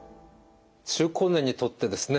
中高年にとってですね